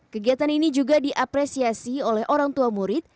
kegiatan ini juga diapresiasi oleh orang tua murid